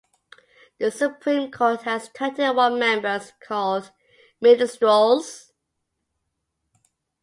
The Supreme Court has twenty-one members, called "ministros".